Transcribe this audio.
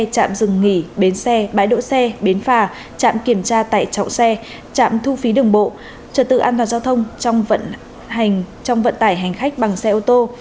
trạm dừng nghỉ bến xe bãi đỗ xe bến phà trạm kiểm tra tải trọng xe trạm thu phí đường bộ trật tự an toàn giao thông trong vận tải hành khách bằng xe ô tô